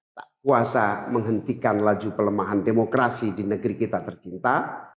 tak kuasa menghentikan laju pelemahan demokrasi di negeri kita tercinta